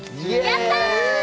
やった！